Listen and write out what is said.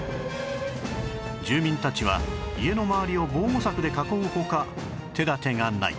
住民たちは家の周りを防護柵で囲う他手立てがない